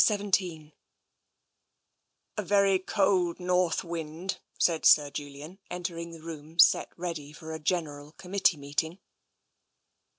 XVII A VERY cold north wind," said Sir Julian, entering the room set ready for a General Committee meeting.